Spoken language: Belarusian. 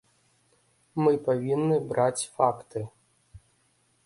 Мы павінны браць факты.